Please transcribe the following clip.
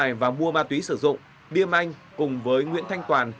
chủ tài và mua ma túy sử dụng điêm anh cùng với nguyễn thanh toàn